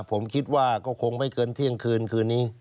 ผมคิดว่าก็คงไม่เกินเที่ยงคืนคืนนี้